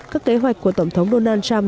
các kế hoạch của tổng thống donald trump